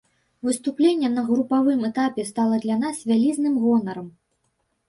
Выступленне на групавым этапе стала для нас вялізным гонарам.